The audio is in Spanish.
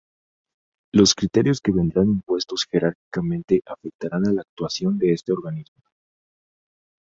Los criterios que vendrán impuestos jerárquicamente afectarán a la actuación de este organismo.